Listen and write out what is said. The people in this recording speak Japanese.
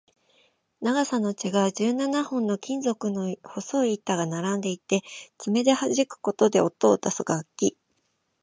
長さの違う十七本の金属の細い板が並んでいて、爪ではじくことで音を出す楽器